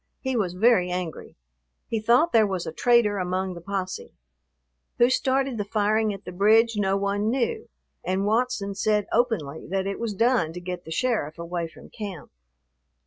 He was very angry. He thought there was a traitor among the posse. Who started the firing at the bridge no one knew, and Watson said openly that it was done to get the sheriff away from camp.